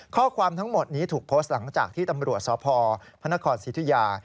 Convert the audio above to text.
ข้อความทั้งหมดถูกโปรสต์หลังจากที่ตำรวจศพพนศิษฐุยา